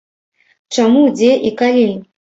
Чаму, дзе і калі?